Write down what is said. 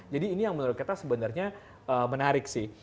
jadi ini yang menurut kita sebenarnya menarik sih